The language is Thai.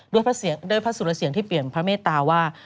ด้วยพระสุรเสียงที่เปลี่ยนพระเมตตาว่า